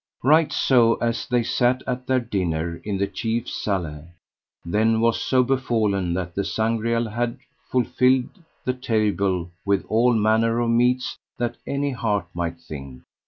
Right so as they sat at their dinner in the chief salle, then was so befallen that the Sangreal had fulfilled the table with all manner of meats that any heart might think.